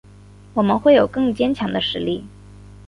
我们会有更坚强的实力